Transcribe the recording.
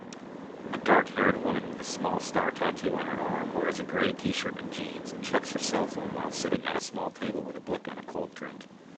A darkhaired woman with a small star tattoo on her arm wears a gray tshirt and jeans and checks her cellphone while sitting at a small table with a book and a cold drink